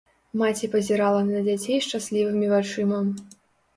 Маці пазірала на дзяцей шчаслівымі вачыма.